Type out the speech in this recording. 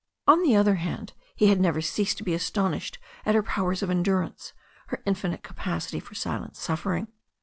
On the other hand he had never ceased to be aston ished at her powers of endurance, her infinite capacity for silent suffering.